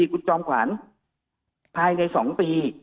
คุณจอมขวัญภายใน๒ปี